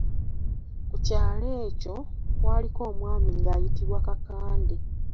Ku kyalo ekyo kwaliko omwami nga ayitibwa Kakandde.